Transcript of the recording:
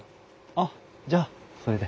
あっじゃあそれで。